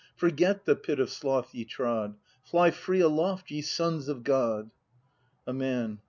Forget the pit of sloth ye trod, Fly free aloft, ye sons of God! A Man.